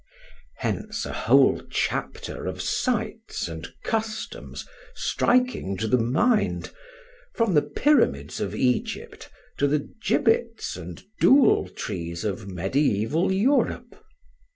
Hence a whole chapter of sights and customs striking to the mind, from the pyramids of Egypt to the gibbets and dule trees of mediaeval Europe.